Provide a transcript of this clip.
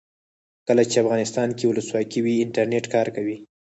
کله چې افغانستان کې ولسواکي وي انټرنیټ کار کوي.